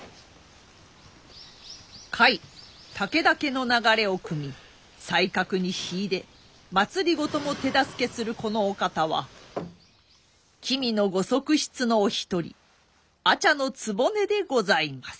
甲斐武田家の流れをくみ才覚に秀で政も手助けするこのお方は君のご側室のお一人阿茶局でございます。